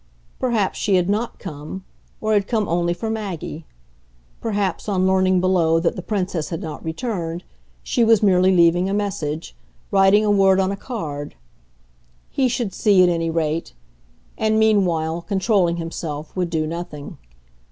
Perhaps she had NOT come, or had come only for Maggie; perhaps, on learning below that the Princess had not returned, she was merely leaving a message, writing a word on a card. He should see, at any rate; and meanwhile, controlling himself, would do nothing.